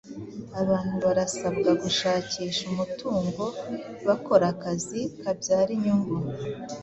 Abantu barasabwa gushakisha umutungo bakora akazi kabyara inyungu,